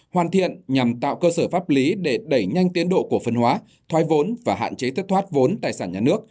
hoàn thiện nhằm tạo cơ sở pháp lý để đẩy nhanh tiến độ cổ phân hóa thoai vốn và hạn chế thất thoát vốn tài sản nhà nước